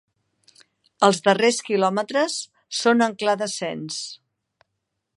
Els darrers quilòmetres són en clar descens.